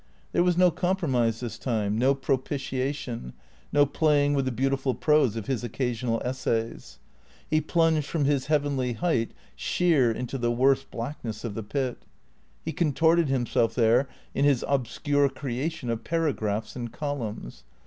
There was no compromise this time, no propitiation, no playing with the beautiful prose of his occa sional essays. He plunged from his heavenly height sheer into the worst blackness of the pit; he contorted himself there in his obscure creation of paragraphs and columns.